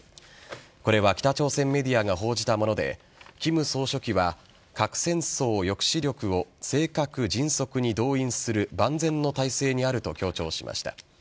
これは北朝鮮メディアが報じたもので金総書記は核戦争抑止力を正確、迅速に動員する万全の態勢にあると強調しました。